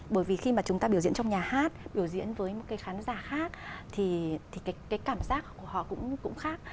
bởi vì khi mà chúng ta biểu diễn trong nhà hát biểu diễn với một cái khán giả khác thì cái cảm giác của họ cũng khác